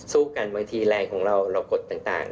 สู้กันบางทีแรงของเราเรากดต่าง